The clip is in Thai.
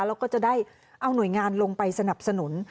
แล้วก็จะได้เอาหน่วยงานลงไปสนับสนุน